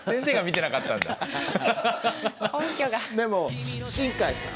でも新海さん。